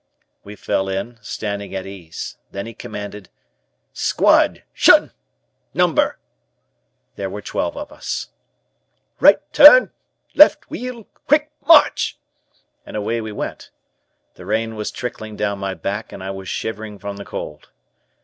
We fell in, standing at ease. Then he commanded. "Squad 'Shun! Number!" There were twelve of us. "Right Turn! Left Wheel! Quick March!" And away we went. The rain was trickling down my back and I was shivering from the cold.